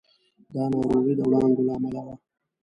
دا ناروغي د وړانګو له امله وه.